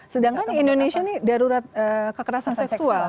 sedangkan indonesia ini darurat kekerasan seksual